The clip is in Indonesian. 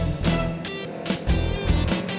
aku pengen jadi dra ga kaga